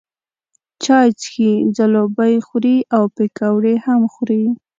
چای څښي، ځلوبۍ خوري او پیکوړې هم خوري.